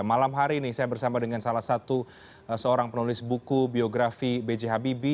malam hari ini saya bersama dengan salah satu seorang penulis buku biografi b j habibie